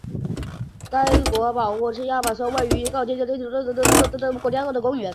该国家公园是马拉维位于的一座专门为保护鱼类等水生动物而建立的一座国家公园。